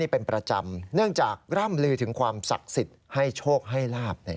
เป็นประจำเนื่องจากร่ำลือถึงความศักดิ์สิทธิ์ให้โชคให้ลาบ